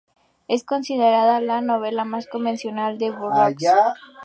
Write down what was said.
Es considerada la novela más convencional de Burroughs.